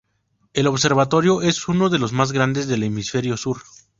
El observatorio es uno de los más grandes del hemisferio sur.